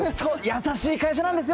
優しい会社なんですよ？